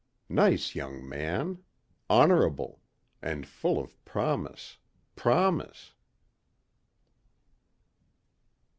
Nice young man. Honorable. And full of promise ... promise....